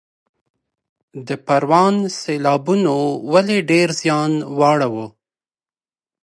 د پروان سیلابونو ولې ډیر زیان واړوه؟